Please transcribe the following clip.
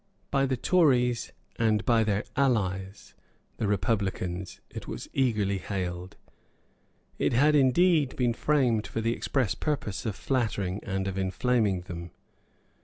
By the Tories, and by their allies the republicans, it was eagerly hailed. It had, indeed, been framed for the express purpose of flattering and of inflaming them.